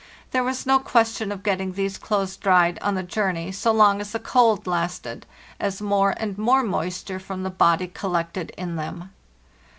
There was no question of get ting these clothes dried on the journey so long as the cold lasted, as more and more moisture from the body collected in them.